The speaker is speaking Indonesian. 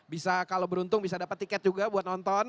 bisa kalau beruntung bisa dapat tiket juga buat nonton